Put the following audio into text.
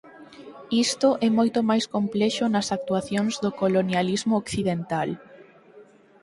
Isto é moito máis complexo nas actuacións do colonialismo occidental.